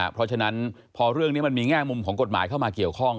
เพราะฉะนั้นพอเรื่องนี้มันมีแง่มุมของกฎหมายเข้ามาเกี่ยวข้อง